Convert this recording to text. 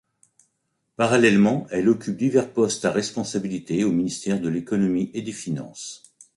Parallèlement, elle occupe divers postes à responsabilité au ministère de l'Économie et des Finances.